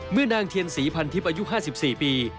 เมื่อนางเทียนสีพันทิบอายุ๕๔ปี